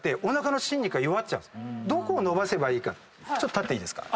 立っていいですか。